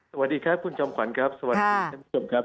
สวัสดีค่ะคุณจอมขวัญครับสวัสดีครับ